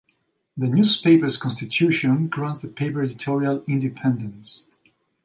The newspaper's constitution grants the paper editorial independence.